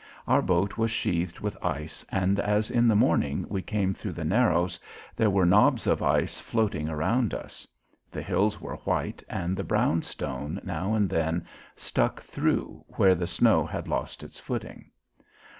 Our boat was sheathed with ice and as in the morning we came thru the Narrows there were knobs of ice floating around us. The hills were white and the brown stone now and then stuck thru where the snow had lost its footing.